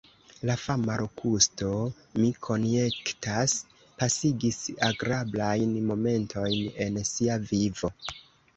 La fama Lokusto, mi konjektas, pasigis agrablajn momentojn en sia vivo.